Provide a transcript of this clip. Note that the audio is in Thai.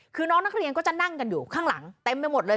คือน้องนักเรียนก็จะนั่งกันอยู่ข้างหลังเต็มไปหมดเลย